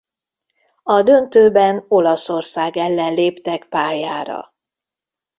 A döntőben Olaszország ellen léptek pályára.